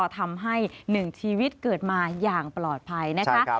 ทำให้๑ชีวิตเกิดมาอย่างปลอดภัยนะคะ